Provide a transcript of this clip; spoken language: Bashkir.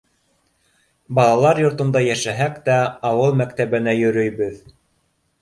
Балалар йортонда йәшәһәк тә, ауыл мәктәбенә йөрөйбөҙ.